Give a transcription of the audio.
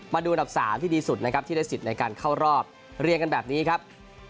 มาดูอันดับ๓ที่ดีสุดนะครับที่ได้สิทธิ์ในการเข้ารอบเรียกกันแบบนี้ครับ